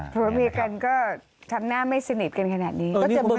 ผัวเมียกันก็ทำหน้าไม่สนิทกันขนาดนี้